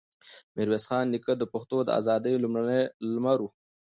ميرويس خان نیکه د پښتنو د ازادۍ لومړنی لمر و.